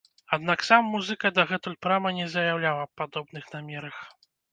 Аднак сам музыка дагэтуль прама не заяўляў аб падобных намерах.